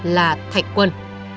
là thạch quân